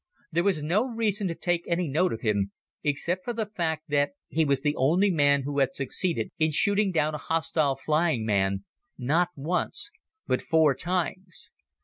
There was no reason to take any note of him except for the fact that he was the only man who had succeeded in shooting down a hostile flying man not once but four times.